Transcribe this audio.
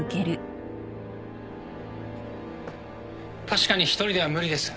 確かに１人では無理です。